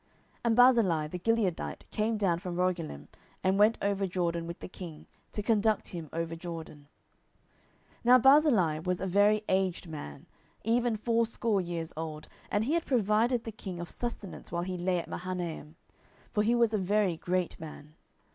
10:019:031 And Barzillai the Gileadite came down from Rogelim, and went over Jordan with the king, to conduct him over Jordan. 10:019:032 Now Barzillai was a very aged man, even fourscore years old: and he had provided the king of sustenance while he lay at Mahanaim; for he was a very great man.